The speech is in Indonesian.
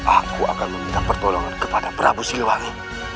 aku akan meminta pertolongan kepada prabu siliwangi